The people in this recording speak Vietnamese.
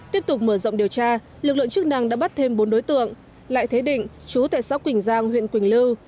tiếp tục mở rộng điều tra lực lượng chức năng đã bắt thêm bốn đối tượng lại thế định chú tại xã quỳnh giang huyện quỳnh lưu